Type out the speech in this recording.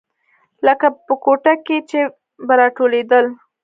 لکه په کوټه کښې چې به راټولېدل.